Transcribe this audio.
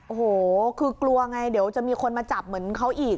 โอ้โหคือกลัวไงเดี๋ยวจะมีคนมาจับเหมือนเขาอีก